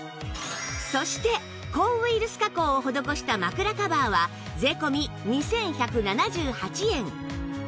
そして抗ウイルス加工を施した枕カバーは税込２１７８円